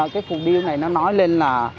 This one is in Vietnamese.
cái phụ điêu này nó nói lên là